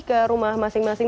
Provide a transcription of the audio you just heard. ke rumah masing masing